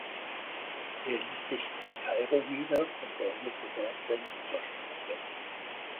Er ließ sich in Kairo nieder und beendete dort sein Jura-Studium.